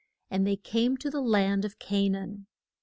And they came to the land of Ca naan.